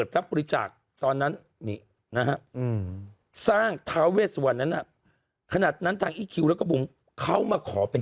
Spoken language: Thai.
นะฮะอืมสร้างนั้นอะขนาดนั้นทางแล้วก็บุ๋มเขามาขอเป็น